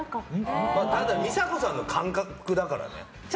ただ美佐子さんの感覚だからね。